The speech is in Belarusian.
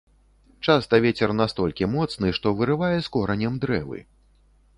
Часта вецер настолькі моцны, што вырывае з коранем дрэвы.